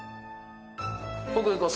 奥行こう。